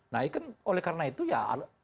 nah itu oleh karena itu ya